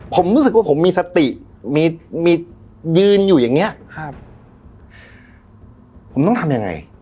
ผมรู้สึกว่าผมมีสติมีมียืนอยู่อย่างเงี้ยครับผมต้องทำยังไง